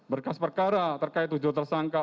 berkas perkara terkait tujuh tersangka